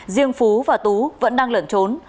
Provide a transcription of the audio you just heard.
riêng phú và tú vẫn đang lẩn trốn